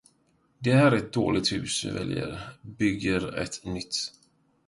Det här är ett dåligt hus vi väljer bygger ett nytt